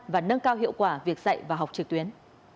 và nâng cao hiệu quả việc dạy và học trực tuyến